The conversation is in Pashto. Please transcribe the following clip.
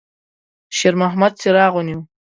شېرمحمد څراغ ونیوه.